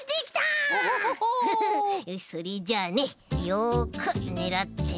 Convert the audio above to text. それじゃあねよくねらってね。